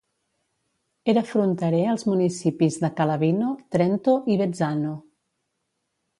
Era fronterer als municipis de Calavino, Trento i Vezzano.